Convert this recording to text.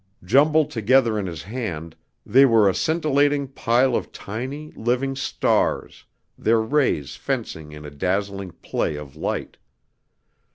Jumbled together in his hand, they were a scintillating pile of tiny, living stars, their rays fencing in a dazzling play of light.